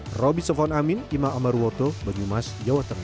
pertama sekali sebagian besar dari satu lima orang yang berguna dengan kenderaan